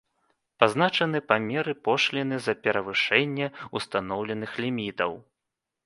Пазначаны памеры пошліны за перавышэнне устаноўленых лімітаў.